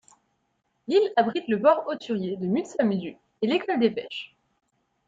L'île abrite le port hauturier de Mutsamudu et l'école des pêches.